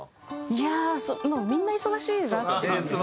いやあみんな忙しいなっていう。